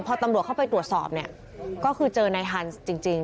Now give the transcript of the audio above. พอตำรวจเข้าไปตรวจสอบเนี่ยก็คือเจอนายฮันส์จริง